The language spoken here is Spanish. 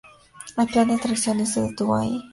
El plan de atracción no se detuvo ahí.